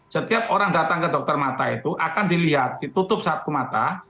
setiap orang datang ke dokter mata itu akan dilihat ditutup satu mata